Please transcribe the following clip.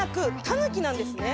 たぬきなんですね。